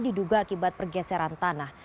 diduga akibat pergeseran tanah